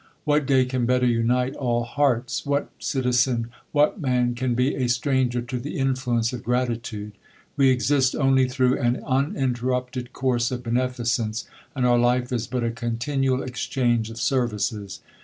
What day can better unite all hearts ! iVhat citizen, what man can be a stranger to the influence of gratitude ! We exist only through an uninterrupted course of beneficence, and our life is but a continual exchange of services.